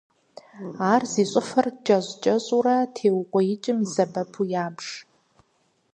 Ар зи щӏыфэр кӏэщӏ-кӏэщӏурэ теукъуеикӏым и сэбэпу ябж.